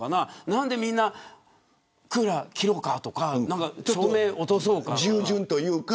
何で、みんなクーラー切ろうかとか照明、落とそうかとか。